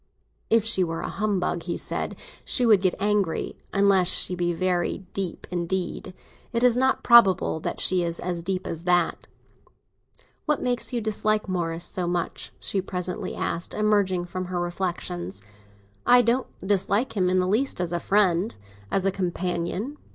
"If she were a humbug," he said, "she would get angry; unless she be very deep indeed. It is not probable that she is as deep as that." "What makes you dislike Morris so much?" she presently asked, emerging from her reflexions. "I don't dislike him in the least as a friend, as a companion.